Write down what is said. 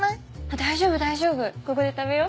大丈夫大丈夫ここで食べよう。